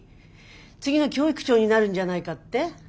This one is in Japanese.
次の教育長になるんじゃないかって？